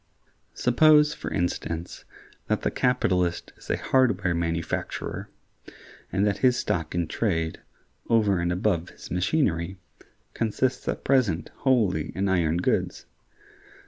] Suppose, for instance, that the capitalist is a hardware manufacturer, and that his stock in trade, over and above his machinery, consists at present wholly in iron goods.